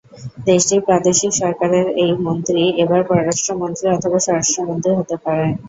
দেশটির প্রাদেশিক সরকারের এই মন্ত্রী এবার পররাষ্ট্রমন্ত্রী অথবা স্বরাষ্ট্রমন্ত্রী হতে পারেন।